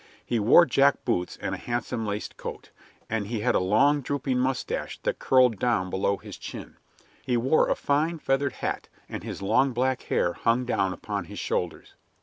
He wore jack boots and a handsome laced coat, and he had a long, drooping mustache that curled down below his chin. He wore a fine, feathered hat, and his long black hair hung down upon his shoulders.